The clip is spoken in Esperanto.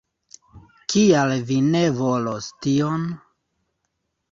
Kial vi ne volos tion?